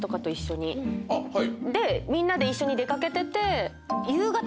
みんなで一緒に出掛けてて。